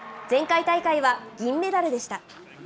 前回大会は銀メダルでした。